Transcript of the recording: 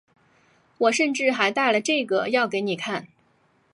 我甚至还带了这个要给你看